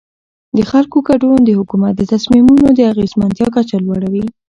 د خلکو ګډون د حکومت د تصمیمونو د اغیزمنتیا کچه لوړوي